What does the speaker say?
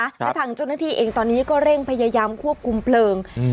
และทางเจ้าหน้าที่เองตอนนี้ก็เร่งพยายามควบคุมเพลิง